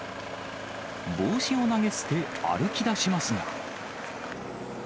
帽子を投げ捨て、歩きだしますが。